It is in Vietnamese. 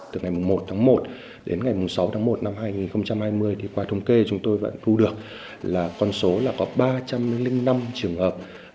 từ ngày một tháng một đến ngày sáu tháng một năm hai nghìn hai mươi thì qua thống kê chúng tôi vẫn thu được là con số là có ba trăm linh năm trường hợp